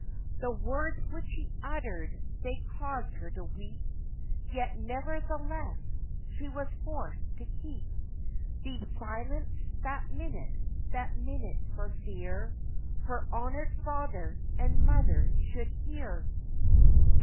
The words which he uttered, they caused her to weep; Yet, nevertheless, she was forcèd to keep Deep silence that minute, that minute for fear Her honourèd father and mother should hear.